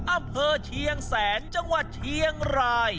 อำเภอเชียงแสนจังหวัดเชียงราย